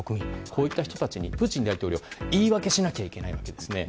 こういった人たちにプーチン大統領は言い訳をしなきゃいけないわけですね。